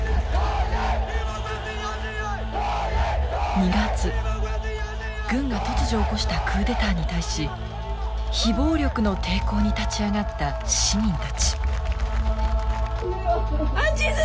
２月軍が突如起こしたクーデターに対し非暴力の抵抗に立ち上がった市民たち。